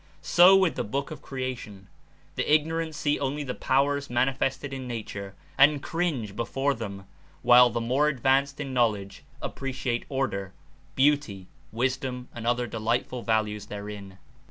So with the book of creation — the ignorant see only the powers manifest ed in nature and cringe before them, while the more advanced in knowledge appreciate order, beauty, wis dom and other delightful values therein.